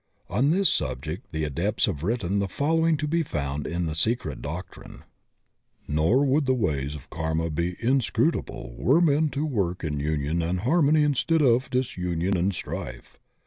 On this subject the Adepts have written the fol lowing to be found in the Secret Doctrine:* Nor would the ways of karma be inscrutable were men to work in union and harmony instead of disunion and strife.